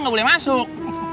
gak boleh masuk